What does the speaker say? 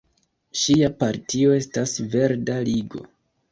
Ŝia partio estas Verda Ligo.